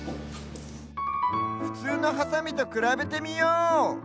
ふつうのハサミとくらべてみよう！